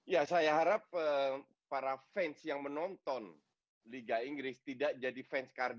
ya saya harap para fans yang menonton liga inggris tidak jadi fans kardio